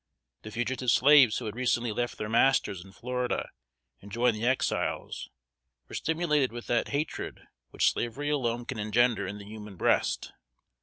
The fugitive slaves who had recently left their masters in Florida and joined the Exiles, were stimulated with that hatred which slavery alone can engender in the human breast.